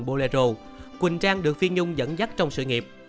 trong đó quỳnh trang được phi nhung dẫn dắt trong sự nghiệp